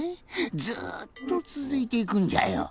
ずっとつづいていくんじゃよ。